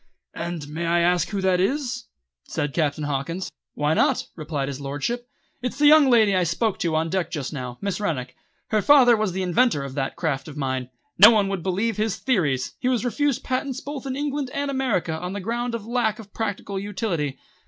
"And may I ask who that is?" said Captain Hawkins. "Why not?" replied his lordship. "It's the young lady I spoke to on deck just now, Miss Rennick. Her father was the inventor of that craft of mine. No one would believe his theories. He was refused patents both in England and America on the ground of lack of practical utility.